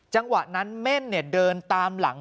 จังหวะนั้นเม่นเดินตามหลัง